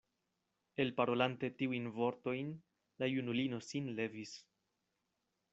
Elparolante tiujn vortojn, la junulino sin levis.